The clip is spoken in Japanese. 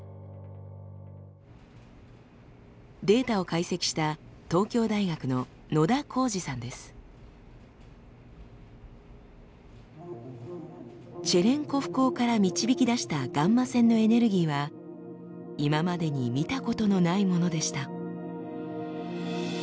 データを解析したチェレンコフ光から導き出したガンマ線のエネルギーは今までに見たことのないものでした。